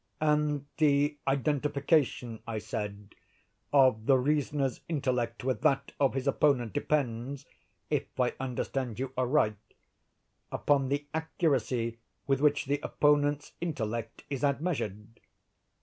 "And the identification," I said, "of the reasoner's intellect with that of his opponent, depends, if I understand you aright, upon the accuracy with which the opponent's intellect is admeasured."